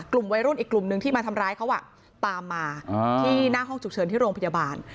กลุ่มวัยรุ่นอีกกลุ่มนึงที่มาทำร้ายเขาตามมาที่หน้าห้องฉุกเฉินที่โรงพยาบาล